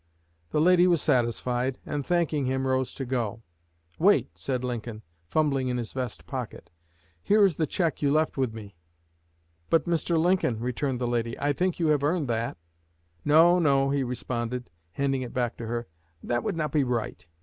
The lady was satisfied, and, thanking him, rose to go. "Wait," said Lincoln, fumbling in his vest pocket; "here is the check you left with me." "But, Mr. Lincoln," returned the lady, "I think you have earned that." "No, no," he responded, handing it back to her; "that would not be right.